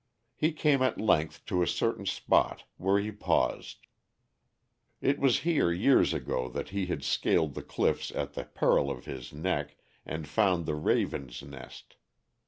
He came at length to a certain spot where he paused. It was here years ago that he had scaled the cliffs at the peril of his neck and found the raven's nest.